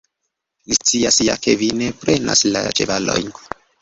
Li scias ja, ke vi ne prenas la ĉevalojn.